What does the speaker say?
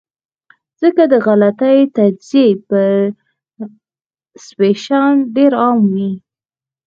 ځکه د غلطې تجزئې پرسپشن ډېر عام وي -